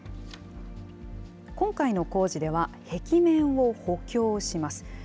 今回の工事では、壁面を補強します。